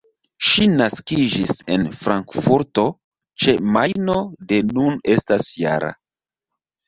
Ŝi naskiĝis en Frankfurto-ĉe-Majno, do nun estas -jara.